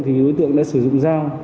thì đối tượng đã sử dụng dao